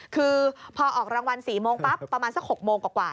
คือพอออกรางวัล๔โมงปั๊บประมาณสัก๖โมงกว่า